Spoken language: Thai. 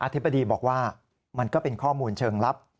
ธิบดีบอกว่ามันก็เป็นข้อมูลเชิงลับ